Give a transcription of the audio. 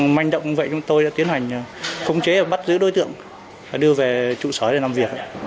manh động như vậy chúng tôi đã tiến hành khống chế và bắt giữ đối tượng và đưa về trụ sở để làm việc